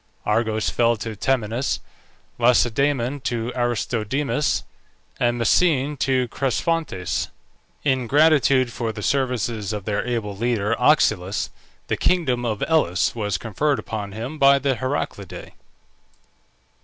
Argos fell to Temenus, Lacedaemon to Aristodemus, and Messene to Cresphontes. In gratitude for the services of their able leader, Oxylus, the kingdom of Elis, was conferred upon him by the Heraclidae.